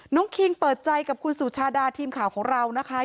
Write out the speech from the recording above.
คิงเปิดใจกับคุณสุชาดาทีมข่าวของเรานะคะ